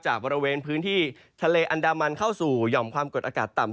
บริเวณพื้นที่ทะเลอันดามันเข้าสู่หย่อมความกดอากาศต่ำ